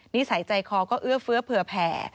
นิสัยใจคอก็เอื้อเฟื้อเผื่อแผ่